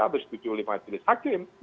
disetujui oleh majelis hakim